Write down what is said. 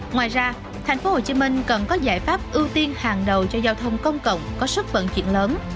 ngoài ra tp hcm cần có giải pháp ưu tiên hàng đầu cho giao thông công cộng có sức vận chuyển lớn